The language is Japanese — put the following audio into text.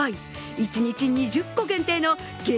一日２０個限定の激